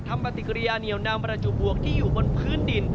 ปฏิกิริยาเหนียวนำประจุบวกที่อยู่บนพื้นดิน